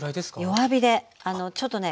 弱火でちょっとね